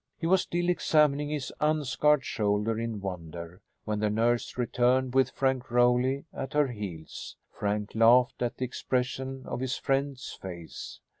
He was still examining his unscarred shoulder in wonder, when the nurse returned, with Frank Rowley at her heels. Frank laughed at the expression of his friend's face.